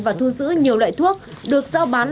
và thu giữ nhiều loại thuốc được giao bán